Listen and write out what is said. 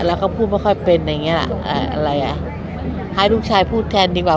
แล้วเขาพูดไม่ค่อยเป็นอย่างเงี้ล่ะอะไรอ่ะให้ลูกชายพูดแทนดีกว่า